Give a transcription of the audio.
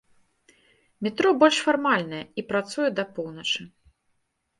Метро больш фармальнае і працуе да поўначы.